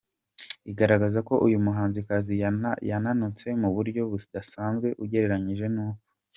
igaragaza ko uyu muhanzikazi yananutse mu buryo budasanzwe ugereranyije nuko.